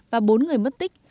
và bốn người mất tích